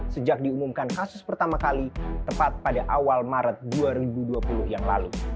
sejak diumumkan kasus pertama kali tepat pada awal maret dua ribu dua puluh yang lalu